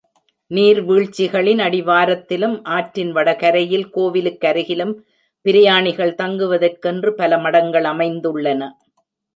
நீர்வீழ்ச்சிகளின் அடிவாரத்திலும் ஆற்றின் வட கரையில் கோவிலுக்கருகிலும், பிரயாணிகள் தங்குவதற் கென்று பல மண்டபங்கள் அமைந்துள்ளன.